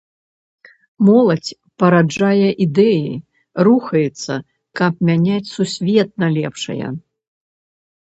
Моладзь параджае ідэі, рухаецца, каб мяняць сусвет на лепшае.